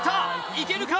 いけるか！？